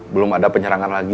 belum ada penyerangan lagi